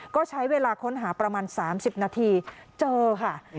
ก็ใช้เวลาค้นหาประมาณ๓๐นาทีเจอค่ะ